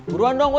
buruan dong weh